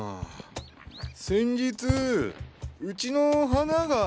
先日うちの花が咲いて。